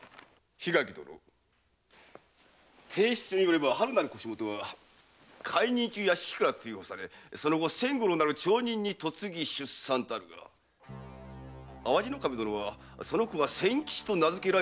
桧垣殿提出書によれば「はる」なる腰元は懐妊中屋敷から追放されその後千五郎なる町人に嫁ぎ出産とあるが淡路守殿はその子が千吉と名づけられたことまでどうして知られたのか。